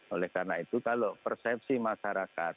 oleh karena itu kalau persepsi masyarakat